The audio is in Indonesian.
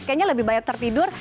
kayaknya lebih banyak tertibis